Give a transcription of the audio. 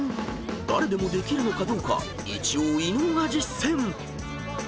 ［誰でもできるのかどうか一応伊野尾が実践］